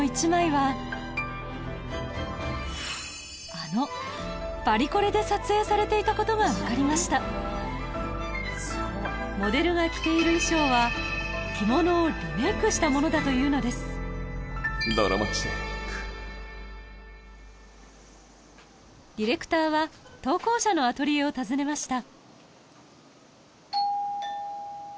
あのパリコレで撮影されていたことが分かりましたモデルが着ている衣装はディレクターは投稿者のアトリエを訪ねました